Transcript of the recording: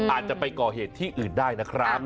อาจจะไปก่อเหตุที่อื่นได้นะครับ